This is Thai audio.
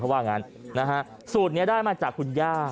เพราะว่างั้นสูตรนี้ได้มาจากคุณย่า